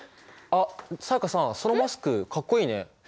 あっ才加さんそのマスクかっこいいね。